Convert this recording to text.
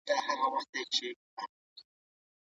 افغانستان د بهرنیو اتباعو د غیر قانوني نیولو ملاتړ نه کوي.